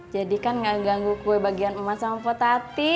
jadi kan gak ganggu kue bagian emas sama pak tati